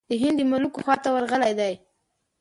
د هند د ملوکو خواته ورغلی دی.